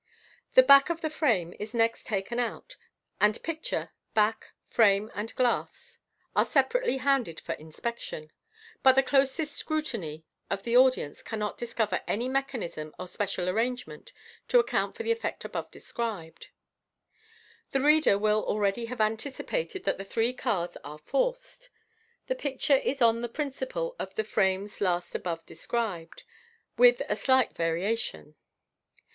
The back of the frame is next taken out, and picture, back, frame, and glass are separately handed for inspection ; but the closest scrutiny of the audience cannot discover any mechanism or special arrangement to account for the effect above described. The reader will already have anticipated that the three cards are "forced." The picture is on the principle of the frames last above described, with a slight variation.